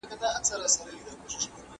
چي له خپل منبره واورم له واعظه آیتونه